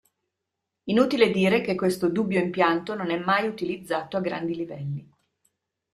Inutile dire che questo dubbio impianto non è mai utilizzato a grandi livelli.